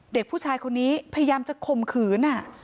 เด็กผู้ชายคนนี้พยายามจะข่มขืน